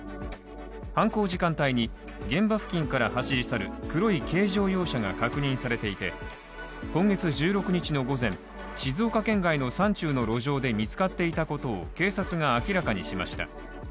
犯行時間帯に現場付近から走り去る黒い軽乗用車が確認されていて、今月１６日の午前静岡県外の山中の路上で見つかっていたことを警察が明らかにしました。